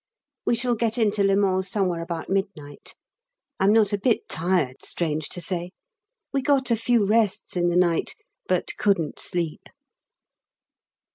We shall get in to Le Mans somewhere about midnight. I'm not a bit tired, strange to say; we got a few rests in the night, but couldn't sleep.